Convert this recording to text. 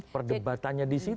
perdebatannya di situ